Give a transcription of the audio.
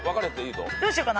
どうしようかな。